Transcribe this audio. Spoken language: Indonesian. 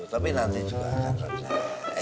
tapi nanti juga akan